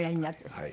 はい。